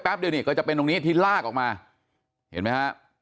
เดี๋ยวนี่ก็จะเป็นตรงนี้ที่ลากออกมาเห็นไหมฮะ